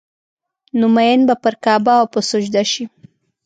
نو مين به پر کعبه او په سجده شي